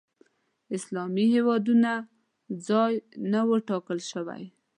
اسلامي هېوادونو ځای نه و ټاکل شوی